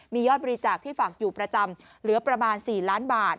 มียอดบริจาคที่ฝากอยู่ประจำเหลือประมาณ๔ล้านบาท